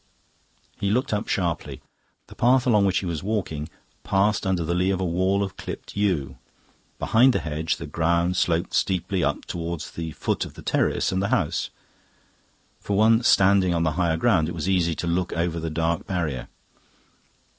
He looked up sharply. The path along which he was walking passed under the lee of a wall of clipped yew. Behind the hedge the ground sloped steeply up towards the foot of the terrace and the house; for one standing on the higher ground it was easy to look over the dark barrier.